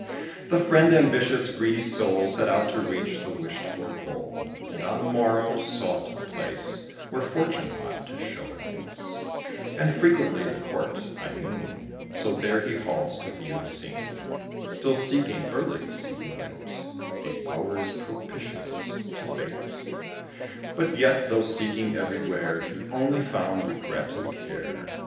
The friend ambitious, greedy soul! Set out to reach the wished for goal; And on the morrow sought a place Where Fortune ought to show her face, And frequently the Court, I mean; So there he halts, to view the scene; Still seeking early, seeking late, The hours propitious to Fate; But yet, though seeking everywhere, He only found regret and care.